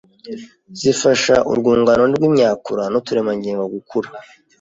zifasha urwungano rw’imyakura n’uturemangingo gukura